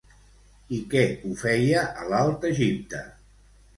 I què ho feia a l'Alt Egipte?